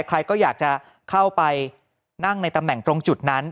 ใครก็อยากจะเข้าไปนั่งในตำแหน่งตรงจุดนั้น